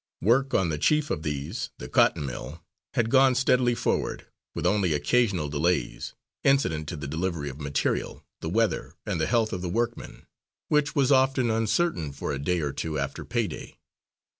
Work on the chief of these, the cotton mill, had gone steadily forward, with only occasional delays, incident to the delivery of material, the weather, and the health of the workmen, which was often uncertain for a day or two after pay day.